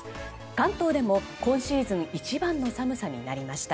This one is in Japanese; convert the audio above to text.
関東でも今シーズン一番の寒さになりました。